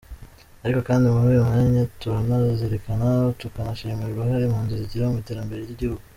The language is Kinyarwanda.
Ariko kandi muri uyu mwanya turanazirikana tukanashimira uruhare impunzi zigira mu iterambere ry’igihugu.